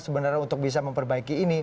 sebenarnya untuk bisa memperbaiki ini